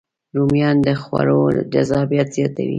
رومیان د خوړو جذابیت زیاتوي